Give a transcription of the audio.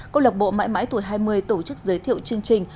cộng lộc bộ mãi mãi tuổi hai mươi tổ chức giới thiệu chương trình